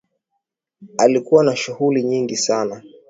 Alikuwa na shughuli nyingi sana.